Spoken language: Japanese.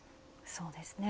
そうですね。